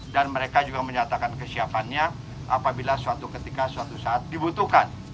dan mereka juga menyatakan kesiapannya apabila suatu ketika suatu saat dibutuhkan